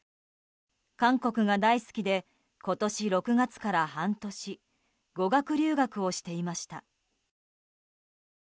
韓国が大好きで今年６月から半年語学留学をしていました。